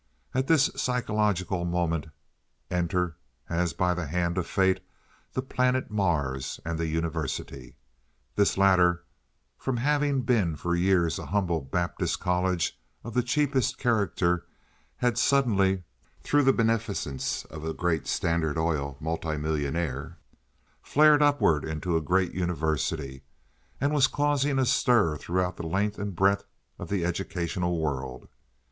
At this psychological moment enter, as by the hand of Fate, the planet Mars and the University. This latter, from having been for years a humble Baptist college of the cheapest character, had suddenly, through the beneficence of a great Standard Oil multimillionaire, flared upward into a great university, and was causing a stir throughout the length and breadth of the educational world.